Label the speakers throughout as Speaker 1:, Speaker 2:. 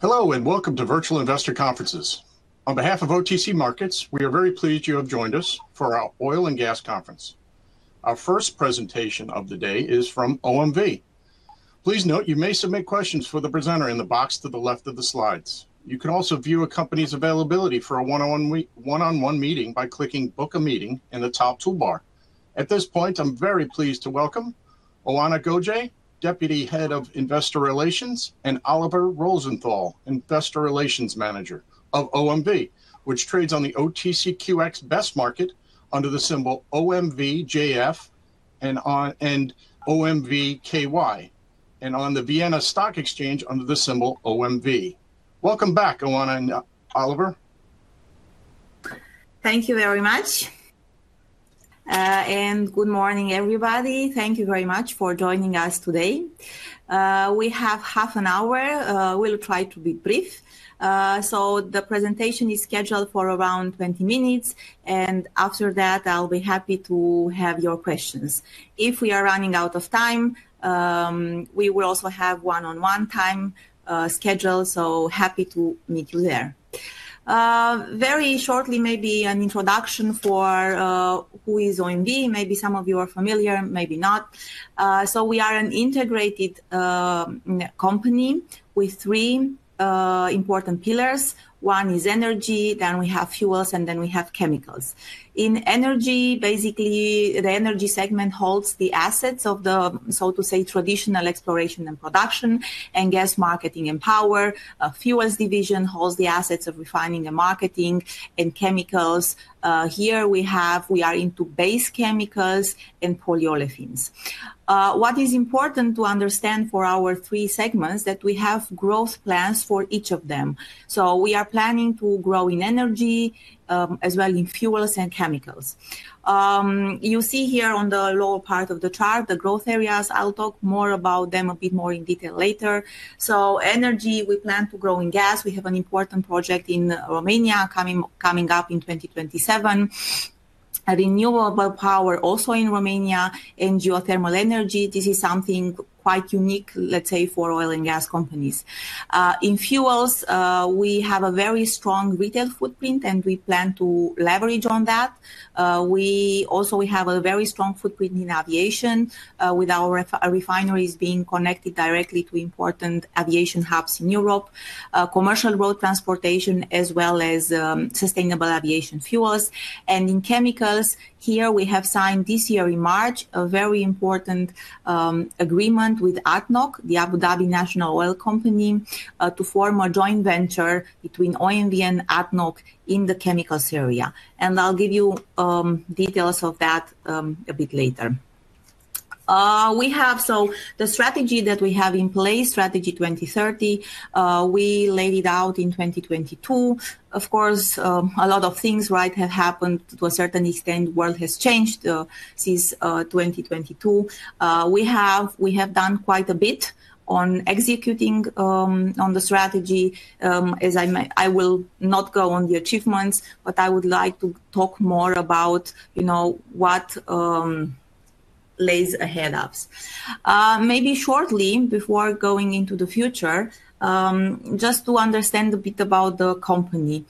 Speaker 1: Hello and welcome to Virtual Investor Conferences. On behalf of OTC Markets, we are very pleased you have joined us for our Oil and Gas Conference. Our first presentation of the day is from OMV. Please note you may submit questions for the presenter in the box to the left of the slides. You can also view a company's availability for a one-on-one meeting by clicking "Book a Meeting" in the top toolbar. At this point, I'm very pleased to welcome Oana Goje, Deputy Head of Investor Relations, and Oliver Rosenthal, Investor Relations Manager of OMV, which trades on the OTCQX Best Market under the symbol OMVJF and OMVKY, and on the Vienna Stock Exchange under the symbol OMV. Welcome back, Oana and Oliver.
Speaker 2: Thank you very much. And good morning, everybody. Thank you very much for joining us today. We have half an hour. We'll try to be brief. The presentation is scheduled for around 20 minutes. After that, I'll be happy to have your questions. If we are running out of time, we will also have one-on-one time scheduled. Happy to meet you there. Very shortly, maybe an introduction for who is OMV. Maybe some of you are familiar, maybe not. We are an integrated company with three important pillars. One is energy. Then we have fuels, and then we have chemicals. In energy, basically, the energy segment holds the assets of the, so to say, traditional exploration and production, and gas marketing and power. Fuel division holds the assets of refining and marketing, and chemicals. Here we are into base chemicals and polyolefins. What is important to understand for our three segments is that we have growth plans for each of them. We are planning to grow in energy as well as in fuels and chemicals. You see here on the lower part of the chart the growth areas. I'll talk more about them a bit more in detail later. Energy, we plan to grow in gas. We have an important project in Romania coming up in 2027. Renewable power also in Romania and geothermal energy. This is something quite unique, let's say, for oil and gas companies. In fuels, we have a very strong retail footprint, and we plan to leverage on that. We also have a very strong footprint in aviation, with our refineries being connected directly to important aviation hubs in Europe, commercial road transportation, as well as sustainable aviation fuels. In chemicals, here we have signed this year in March a very important agreement with ADNOC, the Abu Dhabi National Oil Company, to form a joint venture between OMV and ADNOC in the chemicals area. I will give you details of that a bit later. We have the strategy that we have in place, Strategy 2030. We laid it out in 2022. Of course, a lot of things have happened to a certain extent. The world has changed since 2022. We have done quite a bit on executing on the strategy. I will not go on the achievements, but I would like to talk more about what lays ahead of us. Maybe shortly before going into the future, just to understand a bit about the company.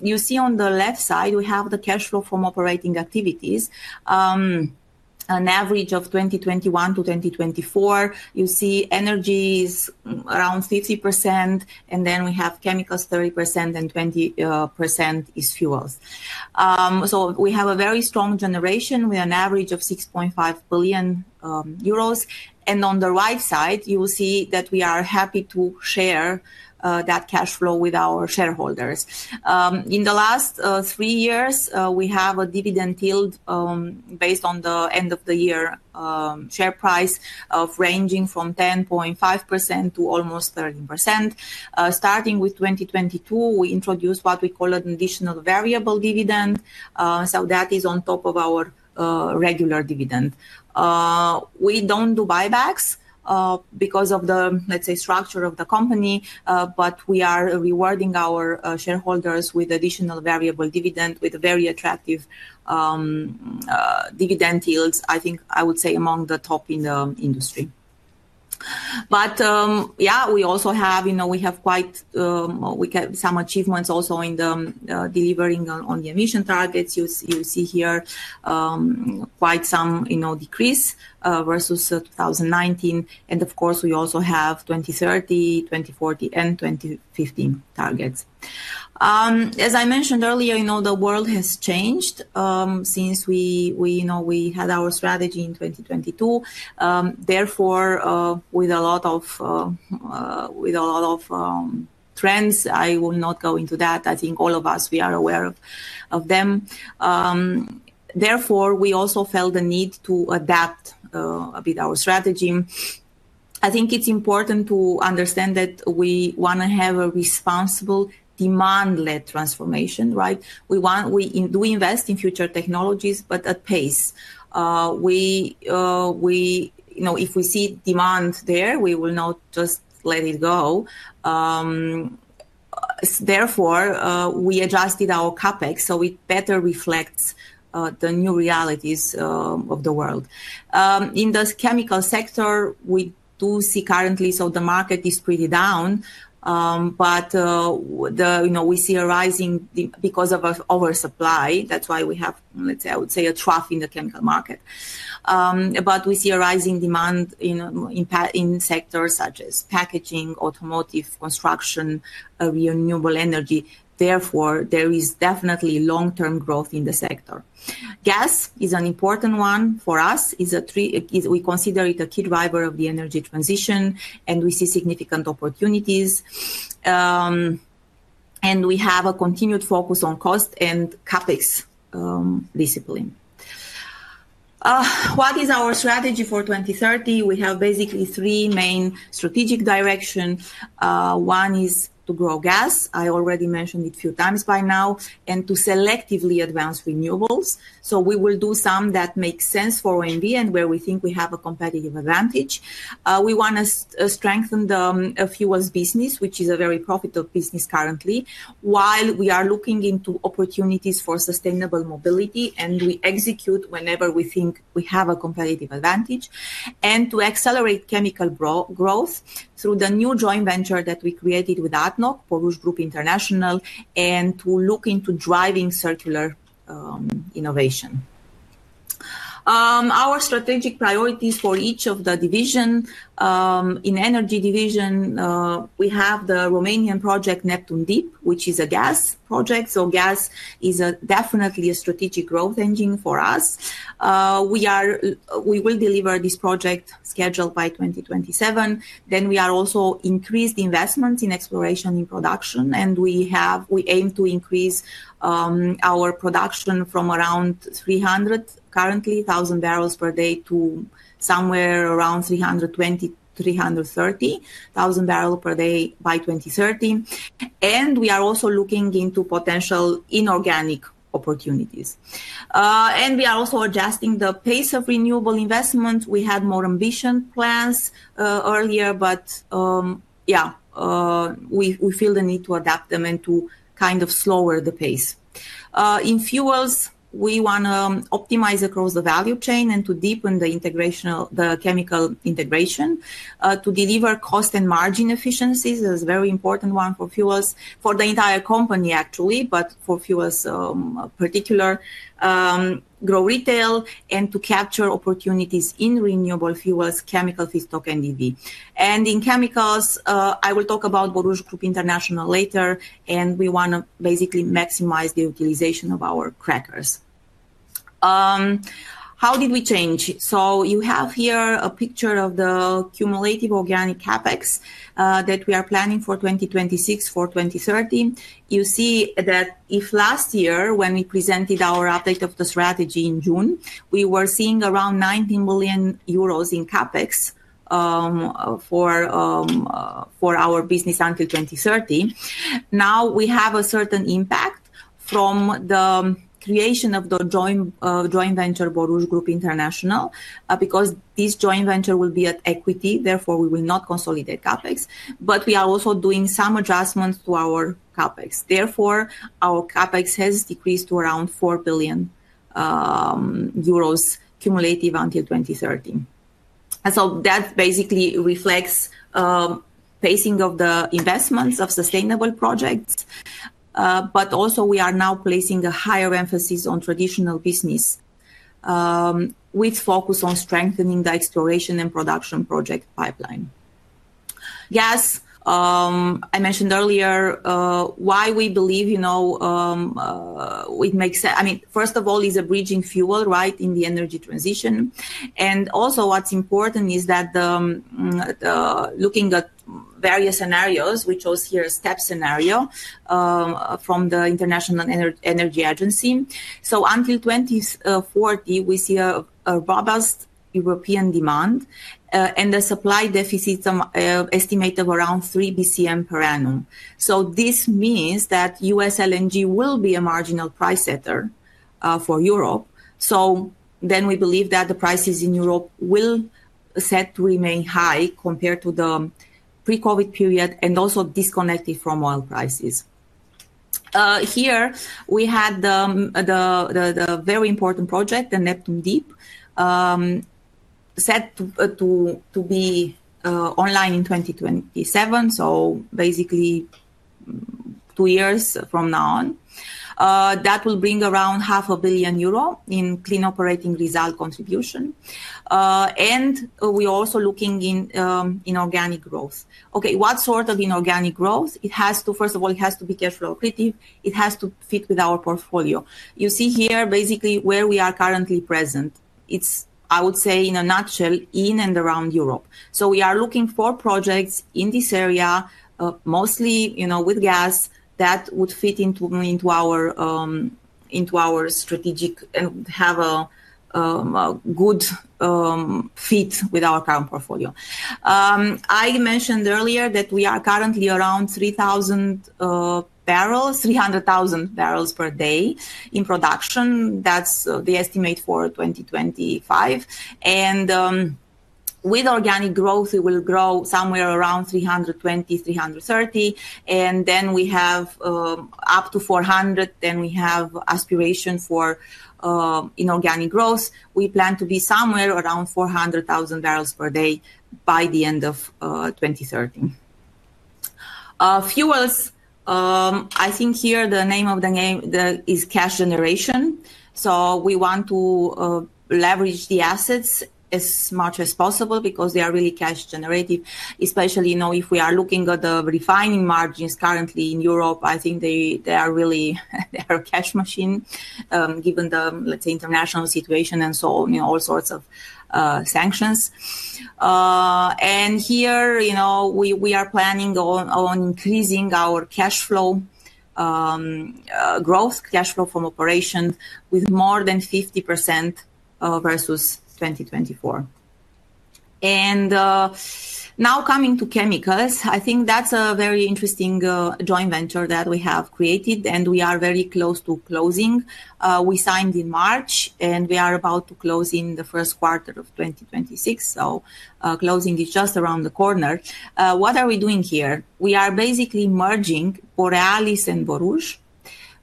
Speaker 2: You see on the left side, we have the cash flow from operating activities, an average of 2021 to 2024. You see energy is around 50%, and then we have chemicals 30%, and 20% is fuels. We have a very strong generation with an average of 6.5 billion euros. On the right side, you will see that we are happy to share that cash flow with our shareholders. In the last three years, we have a dividend yield based on the end of the year share price ranging from 10.5% to almost 30%. Starting with 2022, we introduced what we call an additional variable dividend. That is on top of our regular dividend. We do not do buybacks because of the, let's say, structure of the company, but we are rewarding our shareholders with additional variable dividend with very attractive dividend yields, I think I would say among the top in the industry. We also have quite some achievements also in delivering on the emission targets. You see here quite some decrease versus 2019. Of course, we also have 2030, 2040, and 2015 targets. As I mentioned earlier, the world has changed since we had our strategy in 2022. Therefore, with a lot of trends, I will not go into that. I think all of us, we are aware of them. Therefore, we also felt the need to adapt a bit our strategy. I think it's important to understand that we want to have a responsible demand-led transformation. We invest in future technologies, but at pace. If we see demand there, we will not just let it go. Therefore, we adjusted our CapEx so it better reflects the new realities of the world. In the chemical sector, we do see currently the market is pretty down, but we see a rising demand because of oversupply. That's why we have, let's say, I would say a trough in the chemical market. We see a rising demand in sectors such as packaging, automotive, construction, renewable energy. Therefore, there is definitely long-term growth in the sector. Gas is an important one for us. We consider it a key driver of the energy transition, and we see significant opportunities. We have a continued focus on cost and CapEx discipline. What is our strategy for 2030? We have basically three main strategic directions. One is to grow gas. I already mentioned it a few times by now, and to selectively advance renewables. We will do some that make sense for OMV and where we think we have a competitive advantage. We want to strengthen the fuels business, which is a very profitable business currently, while we are looking into opportunities for sustainable mobility, and we execute whenever we think we have a competitive advantage, and to accelerate chemical growth through the new joint venture that we created with ADNOC, Borouge Group International, and to look into driving circular innovation. Our strategic priorities for each of the divisions. In the energy division, we have the Romanian project Neptune Deep, which is a gas project. Gas is definitely a strategic growth engine for us. We will deliver this project scheduled by 2027. We are also increased investments in exploration and production, and we aim to increase our production from around 300,000 barrels per day currently to somewhere around 320,000-330,000 barrels per day by 2030. We are also looking into potential inorganic opportunities. We are also adjusting the pace of renewable investment. We had more ambitious plans earlier, but yeah, we feel the need to adapt them and to kind of slow the pace. In fuels, we want to optimize across the value chain and to deepen the chemical integration to deliver cost and margin efficiencies. This is a very important one for fuels for the entire company, actually, but for fuels in particular, grow retail, and to capture opportunities in renewable fuels, chemicals, stock, and EV. In chemicals, I will talk about Borouge Group International later, and we want to basically maximize the utilization of our crackers. How did we change? You have here a picture of the cumulative organic CapEx that we are planning for 2026 for 2030. You see that if last year when we presented our update of the strategy in June, we were seeing around 19 billion euros in CapEx for our business until 2030. Now we have a certain impact from the creation of the joint venture Borouge Group International because this joint venture will be at equity. Therefore, we will not consolidate CapEx, but we are also doing some adjustments to our CapEx. Therefore, our CapEx has decreased to around 4 billion euros cumulative until 2030. That basically reflects the pacing of the investments of sustainable projects, but also we are now placing a higher emphasis on traditional business with focus on strengthening the exploration and production project pipeline. Gas, I mentioned earlier why we believe it makes sense. I mean, first of all, it is a bridging fuel in the energy transition. Also, what's important is that looking at various scenarios, we chose here a step scenario from the International Energy Agency. Until 2040, we see a robust European demand and a supply deficit estimated at around 3 BCM per annum. This means that US LNG will be a marginal price setter for Europe. We believe that the prices in Europe will remain high compared to the pre-COVID period and also disconnected from oil prices. Here we had the very important project, the Neptune Deep, set to be online in 2027, basically two years from now on. That will bring around 500,000,000 euro in clean operating result contribution. We are also looking in organic growth. Okay, what sort of inorganic growth? First of all, it has to be cash flow creative. It has to fit with our portfolio. You see here basically where we are currently present. It's, I would say in a nutshell, in and around Europe. We are looking for projects in this area, mostly with gas that would fit into our strategic and have a good fit with our current portfolio. I mentioned earlier that we are currently around 300,000 barrels per day in production. That's the estimate for 2025. With organic growth, it will grow somewhere around 320,000-330,000. We have up to 400,000. We have aspiration for inorganic growth. We plan to be somewhere around 400,000 barrels per day by the end of 2030. Fuels, I think here the name of the game is cash generation. We want to leverage the assets as much as possible because they are really cash generative, especially if we are looking at the refining margins currently in Europe. I think they are really our cash machine given the, let's say, international situation and so on, all sorts of sanctions. Here we are planning on increasing our cash flow growth, cash flow from operations with more than 50% versus 2024. Now coming to chemicals, I think that's a very interesting joint venture that we have created, and we are very close to closing. We signed in March, and we are about to close in the first quarter of 2026. Closing is just around the corner. What are we doing here? We are basically merging Borealis and Borouge.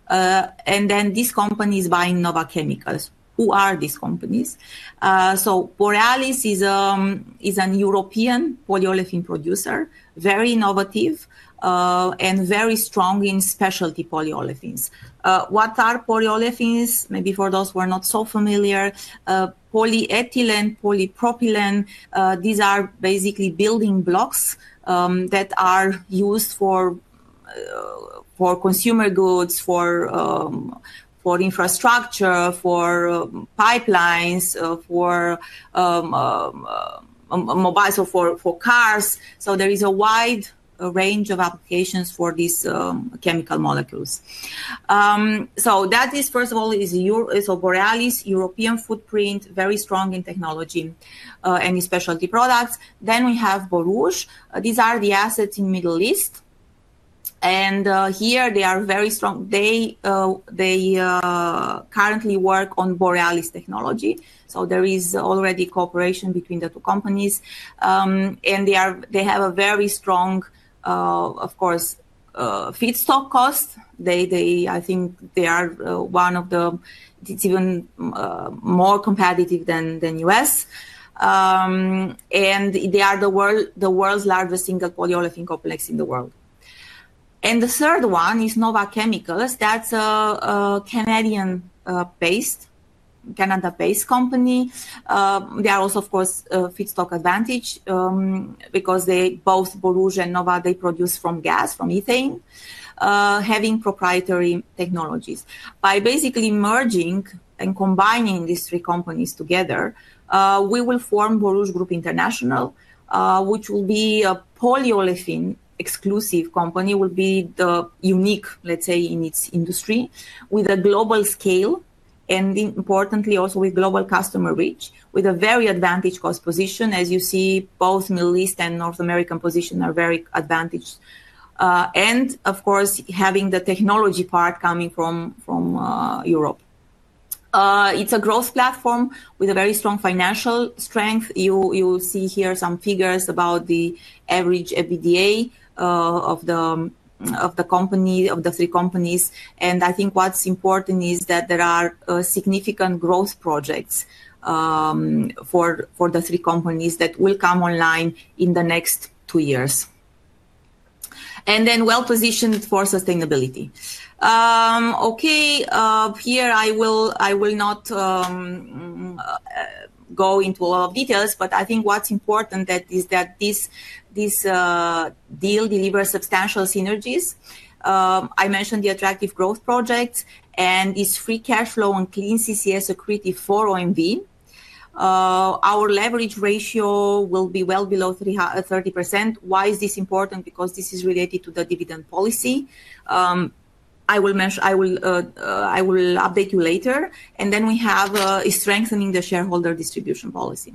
Speaker 2: Then these companies are buying Nova Chemicals. Who are these companies? Borealis is a European polyolefin producer, very innovative and very strong in specialty polyolefins. What are polyolefins? Maybe for those who are not so familiar, polyethylene, polypropylene. These are basically building blocks that are used for consumer goods, for infrastructure, for pipelines, for mobile, for cars. There is a wide range of applications for these chemical molecules. That is, first of all, Borealis, European footprint, very strong in technology and in specialty products. Then we have Borouge. These are the assets in the Middle East. Here they are very strong. They currently work on Borealis technology. There is already cooperation between the two companies. They have a very strong, of course, feedstock cost. I think they are one of the, it is even more competitive than the US. They are the world's largest single polyolefin complex in the world. The third one is Nova Chemicals. That is a Canada-based company. They are also, of course, feedstock advantage because both Borouge and Nova, they produce from gas, from ethane, having proprietary technologies. By basically merging and combining these three companies together, we will form Borouge Group International, which will be a polyolefin exclusive company, will be the unique, let's say, in its industry with a global scale and, importantly, also with global customer reach, with a very advantageous position. As you see, both Middle East and North American position are very advantaged. Of course, having the technology part coming from Europe. It's a growth platform with a very strong financial strength. You will see here some figures about the average EBITDA of the company, of the three companies. I think what's important is that there are significant growth projects for the three companies that will come online in the next two years. Then well-positioned for sustainability. Okay, here I will not go into a lot of details, but I think what's important is that this deal delivers substantial synergies. I mentioned the attractive growth project and this free cash flow and clean CCS accretive for OMV. Our leverage ratio will be well below 30%. Why is this important? Because this is related to the dividend policy. I will update you later. We have strengthening the shareholder distribution policy.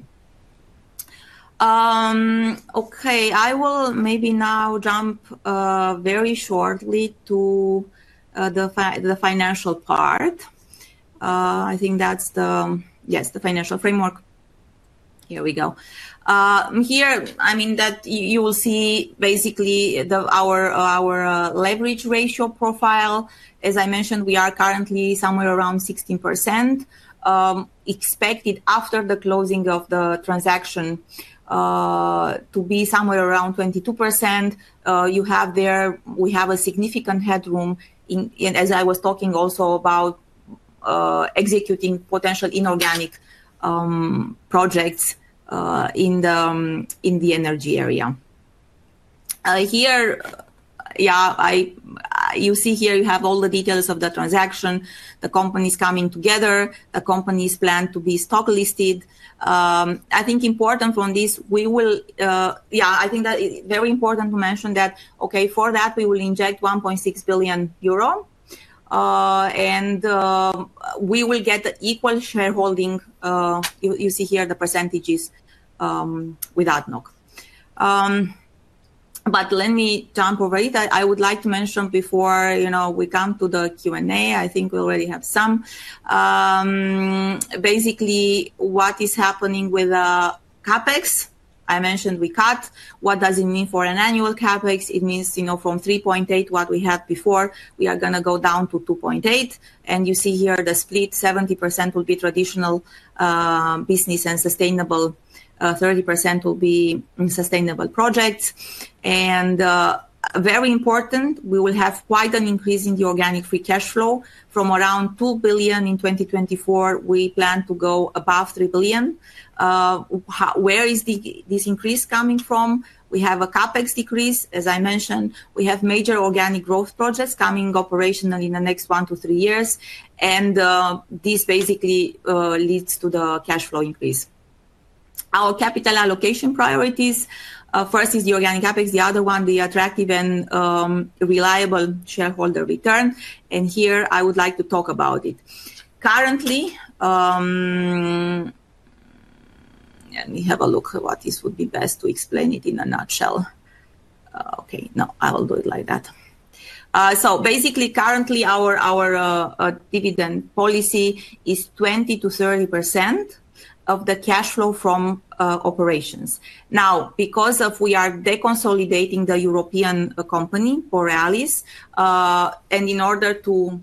Speaker 2: Okay, I will maybe now jump very shortly to the financial part. I think that's, yes, the financial framework. Here we go. Here, I mean, you will see basically our leverage ratio profile. As I mentioned, we are currently somewhere around 16%. Expected after the closing of the transaction to be somewhere around 22%. You have there, we have a significant headroom. As I was talking also about executing potential inorganic projects in the energy area. Here, yeah, you see here you have all the details of the transaction. The company is coming together. The company is planned to be stocklisted. I think important from this, we will, yeah, I think that it's very important to mention that, okay, for that, we will inject 1.6 billion euro. And we will get equal shareholding. You see here the percentages with ADNOC. Let me jump over it. I would like to mention before we come to the Q&A, I think we already have some. Basically, what is happening with CapEx? I mentioned we cut. What does it mean for an annual CapEx? It means from 3.8 billion what we had before, we are going to go down to 2.8 billion. You see here the split, 70% will be traditional business and sustainable, 30% will be sustainable projects. Very important, we will have quite an increase in the organic free cash flow from around 2 billion in 2024. We plan to go above 3 billion. Where is this increase coming from? We have a CapEx decrease. As I mentioned, we have major organic growth projects coming operationally in the next one to three years. This basically leads to the cash flow increase. Our capital allocation priorities. First is the organic CapEx. The other one, the attractive and reliable shareholder return. Here I would like to talk about it. Currently, let me have a look at what this would be best to explain it in a nutshell. Okay, no, I will do it like that. Basically, currently our dividend policy is 20-30% of the cash flow from operations. Now, because we are deconsolidating the European company, Borealis, and in order to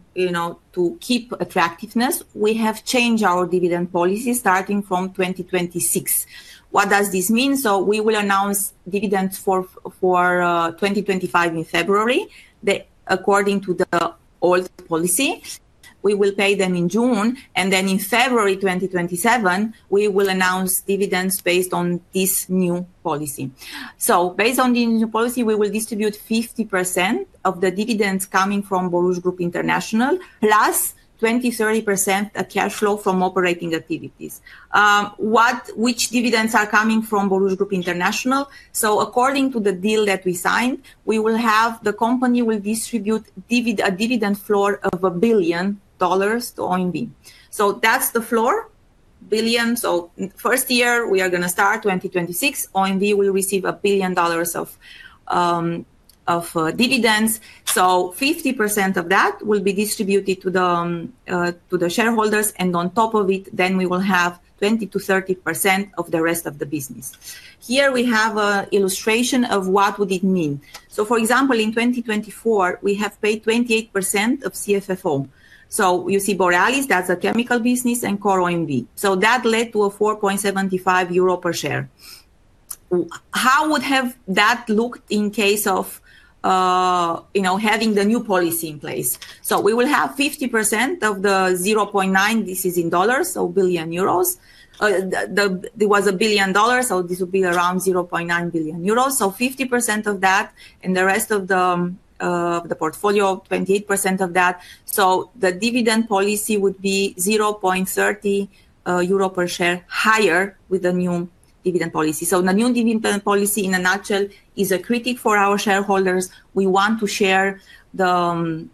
Speaker 2: keep attractiveness, we have changed our dividend policy starting from 2026. What does this mean? We will announce dividends for 2025 in February, according to the old policy. We will pay them in June. In February 2027, we will announce dividends based on this new policy. Based on the new policy, we will distribute 50% of the dividends coming from Borouge Group International, plus 20-30% cash flow from operating activities. Which dividends are coming from Borouge Group International? According to the deal that we signed, the company will distribute a dividend floor of $1 billion to OMV. That is the floor, $1 billion. First year, we are going to start 2026. OMV will receive $1 billion of dividends. 50% of that will be distributed to the shareholders. On top of it, we will have 20-30% of the rest of the business. Here we have an illustration of what it would mean. For example, in 2024, we have paid 28% of CFFO. You see Borealis, that's a chemical business, and Core OMV. That led to 4.75 euro per share. How would that look in case of having the new policy in place? We will have 50% of the $0.9 billion, this is in dollars, so 0.9 billion euros. There was $1 billion, so this would be around 0.9 billion euros. 50% of that and the rest of the portfolio, 28% of that. The dividend policy would be 0.30 euro per share higher with the new dividend policy. The new dividend policy in a nutshell is a critique for our shareholders. We want to share the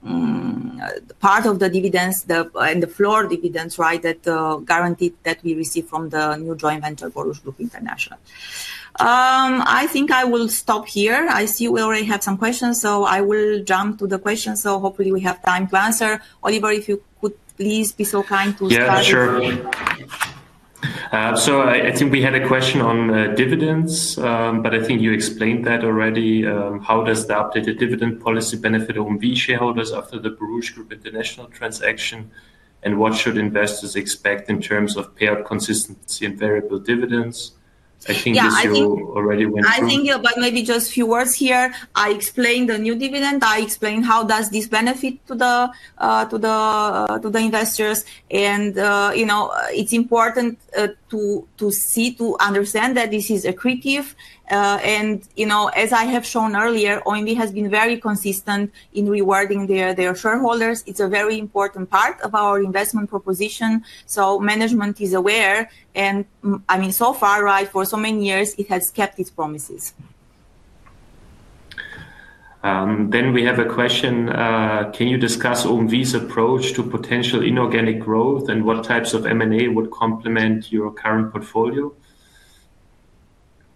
Speaker 2: part of the dividends and the floor dividends, right, that are guaranteed that we receive from the new joint venture, Borouge Group International. I think I will stop here. I see we already have some questions, so I will jump to the questions. Hopefully we have time to answer. Oliver, if you could please be so kind to start. Yeah, sure. I think we had a question on dividends, but I think you explained that already. How does the updated dividend policy benefit OMV shareholders after the Borouge Group International transaction? And what should investors expect in terms of payout consistency and variable dividends? I think you already went through. I think about maybe just a few words here. I explained the new dividend. I explained how does this benefit to the investors. It is important to see, to understand that this is accretive. As I have shown earlier, OMV has been very consistent in rewarding their shareholders. It is a very important part of our investment proposition. Management is aware. I mean, so far, right, for so many years, it has kept its promises. We have a question. Can you discuss OMV's approach to potential inorganic growth and what types of M&A would complement your current portfolio?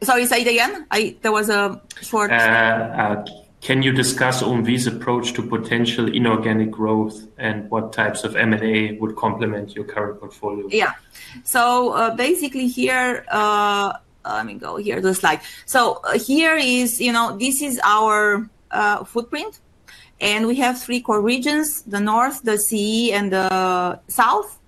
Speaker 2: Sorry, say it again. There was a short. Can you discuss OMV's approach to potential inorganic growth and what types of M&A would complement your current portfolio? Yeah. Basically here, let me go here to the slide. Here is, this is our footprint. We have three core regions, the north, the CE, and the south.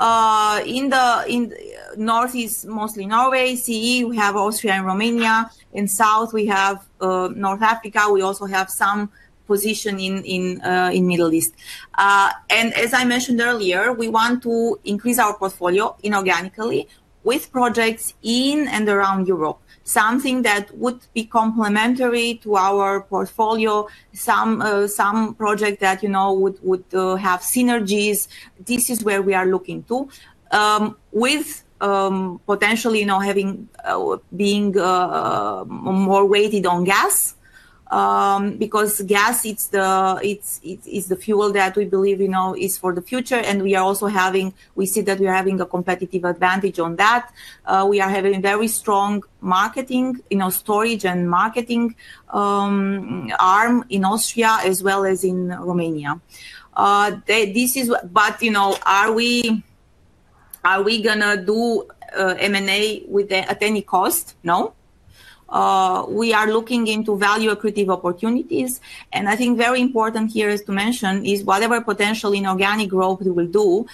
Speaker 2: In the north is mostly Norway, CE, we have Austria and Romania. In south, we have North Africa. We also have some position in the Middle East. As I mentioned earlier, we want to increase our portfolio inorganically with projects in and around Europe, something that would be complementary to our portfolio, some project that would have synergies. This is where we are looking to, with potentially being more weighted on gas because gas is the fuel that we believe is for the future. We are also having, we see that we are having a competitive advantage on that. We are having very strong marketing, storage, and marketing arm in Austria as well as in Romania. Are we going to do M&A at any cost? No. We are looking into value-accretive opportunities. I think very important here is to mention is whatever potential inorganic growth we will do,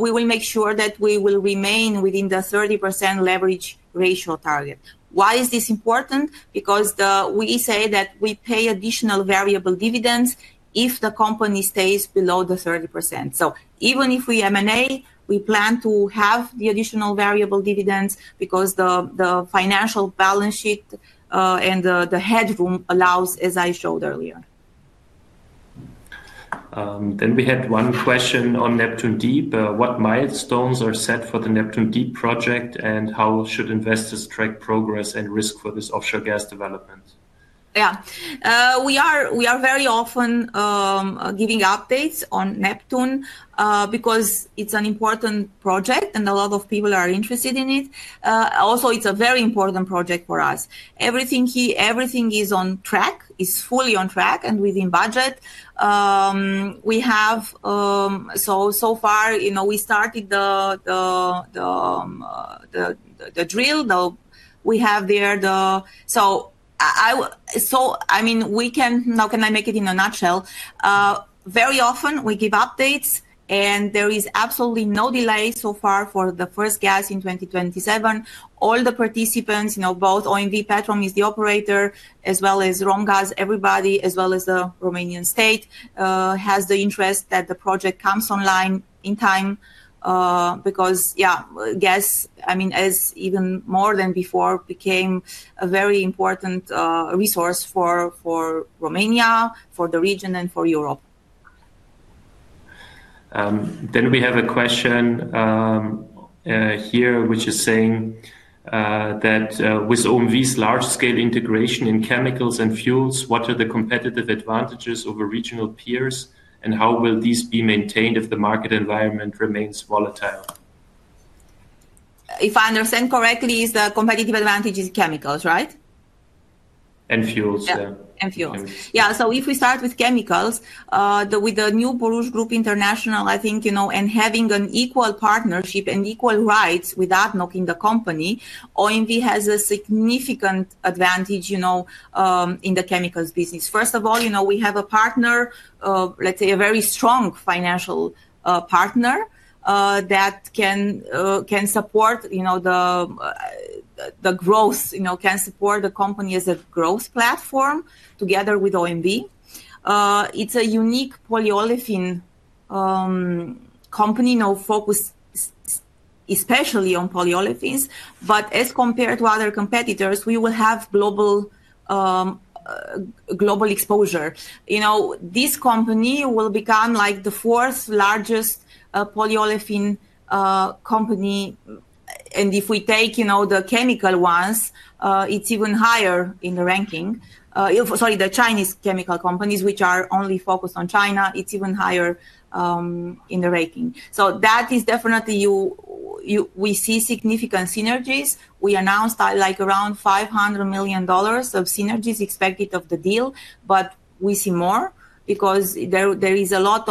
Speaker 2: we will make sure that we will remain within the 30% leverage ratio target. Why is this important? Because we say that we pay additional variable dividends if the company stays below the 30%. Even if we M&A, we plan to have the additional variable dividends because the financial balance sheet and the headroom allows, as I showed earlier. We had one question on Neptune Deep. What milestones are set for the Neptune Deep project and how should investors track progress and risk for this offshore gas development? Yeah. We are very often giving updates on Neptune because it's an important project and a lot of people are interested in it. Also, it's a very important project for us. Everything is on track, is fully on track and within budget. So far, we started the drill. We have there, so I mean, we can, now can I make it in a nutshell? Very often we give updates and there is absolutely no delay so far for the first gas in 2027. All the participants, both OMV Petrom is the operator as well as Romgaz, everybody, as well as the Romanian state has the interest that the project comes online in time because, yeah, gas, I mean, as even more than before became a very important resource for Romania, for the region, and for Europe. We have a question here, which is saying that with OMV's large-scale integration in chemicals and fuels, what are the competitive advantages over regional peers and how will these be maintained if the market environment remains volatile? If I understand correctly, the competitive advantage is chemicals, right? And fuels, yeah. Yeah. And fuels. Yeah. If we start with chemicals, with the new Borouge Group International, I think, and having an equal partnership and equal rights without knocking the company, OMV has a significant advantage in the chemicals business. First of all, we have a partner, let's say a very strong financial partner that can support the growth, can support the company as a growth platform together with OMV. It's a unique polyolefin company focused especially on polyolefins. As compared to other competitors, we will have global exposure. This company will become the fourth largest polyolefin company. If we take the chemical ones, it's even higher in the ranking. Sorry, the Chinese chemical companies, which are only focused on China, it's even higher in the ranking. That is definitely, we see significant synergies. We announced around $500 million of synergies expected of the deal, but we see more because there is a lot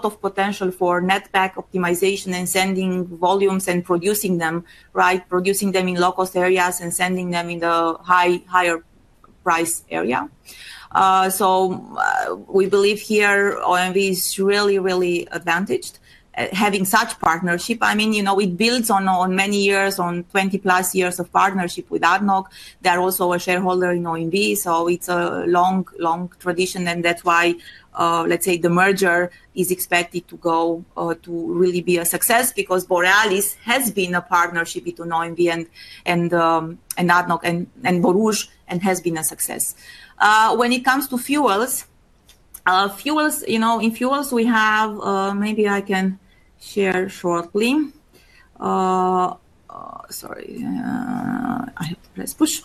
Speaker 2: of potential for net pack optimization and sending volumes and producing them, right, producing them in low-cost areas and sending them in the higher price area. We believe here OMV is really, really advantaged having such partnership. I mean, it builds on many years, on 20 plus years of partnership with ADNOC. They are also a shareholder in OMV, so it is a long, long tradition. That is why, let's say, the merger is expected to really be a success because Borealis has been a partnership between OMV and ADNOC and Borouge and has been a success. When it comes to fuels, in fuels, we have maybe I can share shortly. Sorry, I have to press push.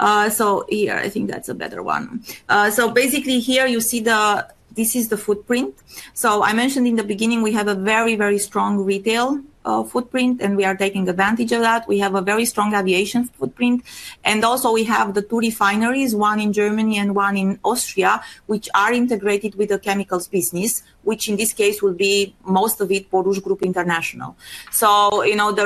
Speaker 2: I think that's a better one. Basically, here you see this is the footprint. I mentioned in the beginning we have a very, very strong retail footprint and we are taking advantage of that. We have a very strong aviation footprint. Also, we have the two refineries, one in Germany and one in Austria, which are integrated with the chemicals business, which in this case will be most of it Borouge Group International. The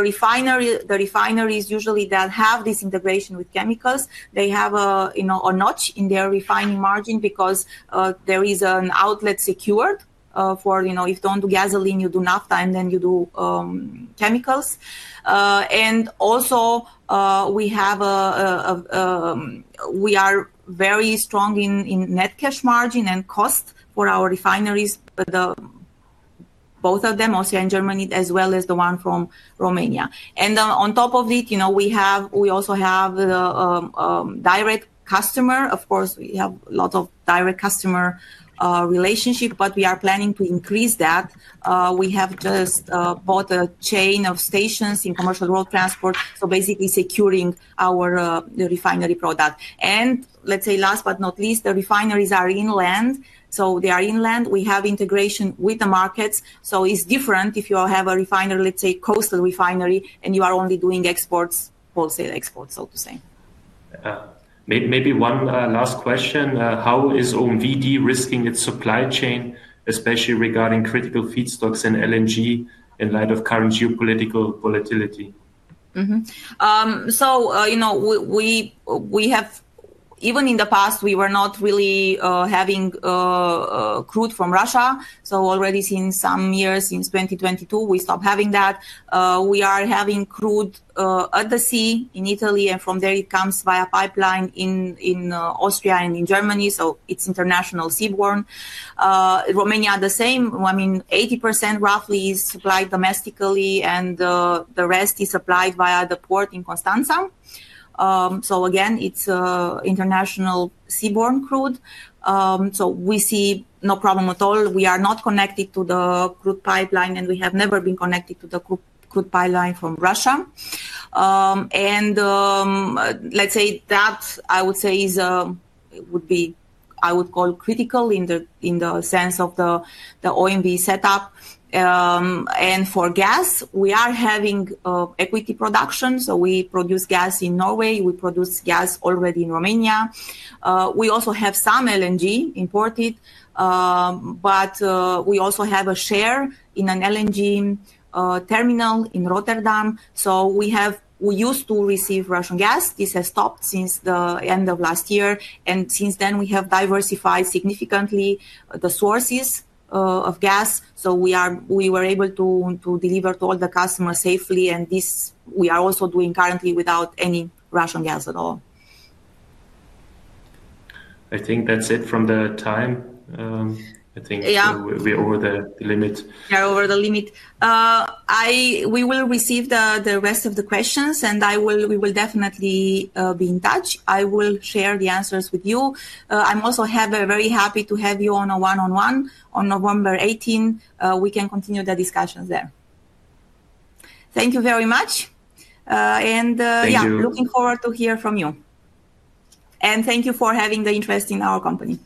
Speaker 2: refineries usually that have this integration with chemicals have a notch in their refining margin because there is an outlet secured for if you do not do gasoline, you do naphtha, and then you do chemicals. Also, we are very strong in net cash margin and cost for our refineries, both of them, Austria and Germany, as well as the one from Romania. On top of it, we also have direct customer. Of course, we have lots of direct customer relationship, but we are planning to increase that. We have just bought a chain of stations in commercial road transport, so basically securing our refinery product. Last but not least, the refineries are inland. They are inland. We have integration with the markets. It is different if you have a refinery, let's say coastal refinery, and you are only doing exports, wholesale exports, so to say. Maybe one last question. How is OMV de-risking its supply chain, especially regarding critical feedstocks and LNG in light of current geopolitical volatility? Even in the past, we were not really having crude from Russia. Already since some years, since 2022, we stopped having that. We are having crude at the sea in Italy, and from there it comes via pipeline in Austria and in Germany. It is international seaborne. Romania the same. I mean, 80% roughly is supplied domestically, and the rest is supplied via the port in Constanza. It is international seaborne crude. We see no problem at all. We are not connected to the crude pipeline, and we have never been connected to the crude pipeline from Russia. I would say that would be, I would call, critical in the sense of the OMV setup. For gas, we are having equity production. We produce gas in Norway. We produce gas already in Romania. We also have some LNG imported, but we also have a share in an LNG terminal in Rotterdam. We used to receive Russian gas. This has stopped since the end of last year. Since then, we have diversified significantly the sources of gas. We were able to deliver to all the customers safely. This we are also doing currently without any Russian gas at all. I think that's it from the time. I think we're over the limit. Yeah, over the limit. We will receive the rest of the questions, and we will definitely be in touch. I will share the answers with you. I'm also very happy to have you on a one-on-one on November 18. We can continue the discussions there. Thank you very much. Yeah, looking forward to hear from you. Thank you for having the interest in our company.